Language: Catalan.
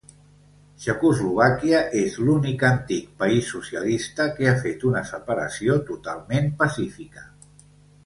Txecoslovàquia és l'únic antic país socialista que ha fet una separació totalment pacífica.